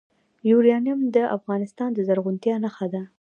یورانیم د افغانستان د زرغونتیا نښه ده.